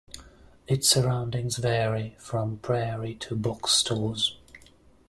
Its surroundings vary, from prairie to box stores.